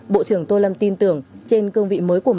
bộ trưởng tô lâm tin tưởng trên cương vị mới của mình